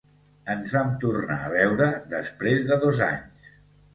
Ens vam tornar a veure després de dos anys.